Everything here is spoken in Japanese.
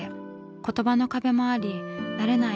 言葉の壁もあり慣れない